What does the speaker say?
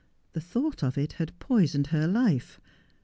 The thought of it had poisoned her life.